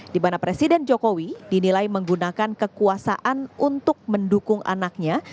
di mana presiden jokowi dinilai menggunakan kekuasaan untuk mendukung anaknya